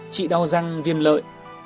trị đau răng viêm lợi